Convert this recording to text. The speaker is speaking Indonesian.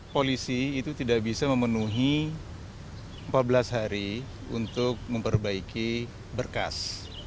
polisi itu tidak bisa memenuhi empat belas hari untuk memperbaiki berkas